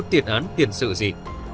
tiền án tiền sự gì